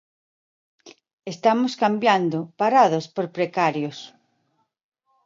Estamos cambiando parados por precarios.